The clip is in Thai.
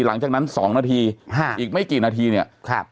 หลังจากนั้น๒นาทีอีกไม่กี่นาทีเนี่ย